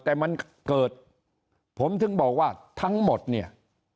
แต่มันเกิดผมถึงบอกว่าทั้งหมดเนี่ย